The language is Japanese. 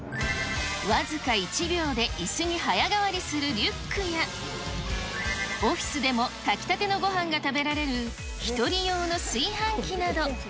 僅か１秒でいすに早変わりするリュックや、オフィスでも炊きたてのごはんが食べられる１人用の炊飯器など。